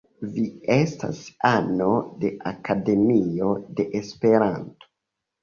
Vi estas ano de Akademio de Esperanto.